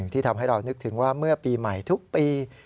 ที่ทำให้เรานึกถึงว่าเมื่อปีใหม่ทุกปี